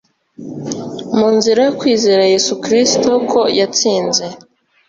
munzira yokwizera yesu kristo ko yatsinze